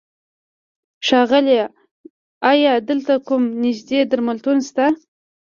ښاغيله! ايا دلته کوم نيږدې درملتون شته؟